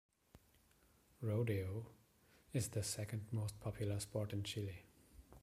Rodeo is the second most popular sport in Chile.